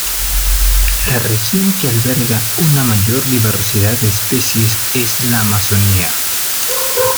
La región que alberga una mayor diversidad de especies es la Amazonía.